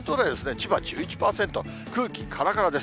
千葉１１％、空気からからです。